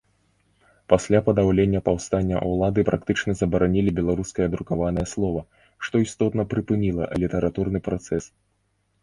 Пасля падаўлення паўстання ўлады практычна забаранілі беларускае друкаванае слова, што істотна прыпыніла літаратурны працэс.